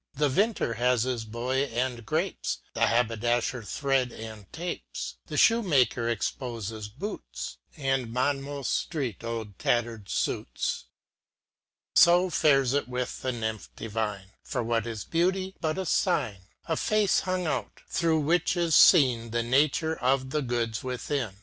The Vintner has his boy and grapes, The Haberdafher thread and tapes, The Shoemaker expofes boots, And Monmouth Street old tatter'd fuits. So fares it with the nymph divine j For what is Beauty but a Sign? A face hung out, thro' which is feen The nature of the goods within.